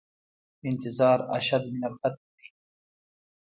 انتظار اشد من القتل دی